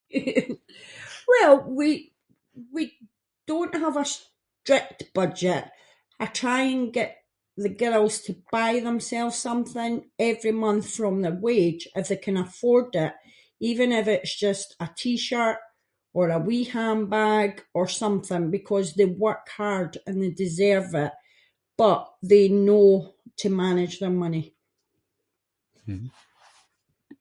Well, we- we don’t have a strict budget, I try and get the girls to buy themselves something every month from their wage if they can afford it, even if it’s just a t-shirt or a wee handbag or something, because they work hard and they deserve it, but they know to manage their money.